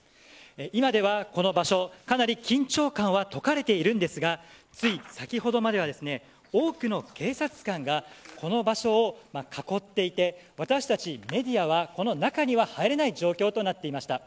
今では、この場所かなり緊張感は解かれているんですがつい先ほどまでは多くの警察官がこの場所を囲っていて私たちメディアは、この中には入れない状況となっていました。